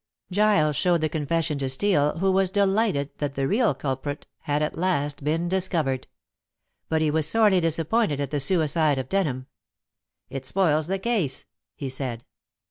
Giles showed the confession to Steel, who was delighted that the real culprit had at last been discovered. But he was sorely disappointed at the suicide of Denham. "It spoils the case," he said.